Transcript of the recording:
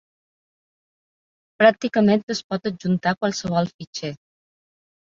Pràcticament es pot adjuntar qualsevol fitxer.